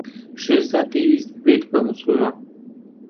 شێرزاد دەیویست ببێت بە موسڵمان.